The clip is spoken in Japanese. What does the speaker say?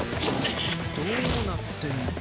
どうなってんだ？